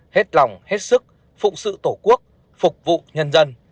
hết lòng hết sức phụng sự tổ quốc phục vụ nhân dân